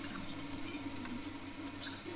设有自动售票机。